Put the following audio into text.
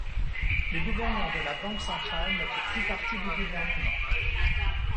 Le gouverneur de la Banque centrale ne fait plus partie du gouvernement.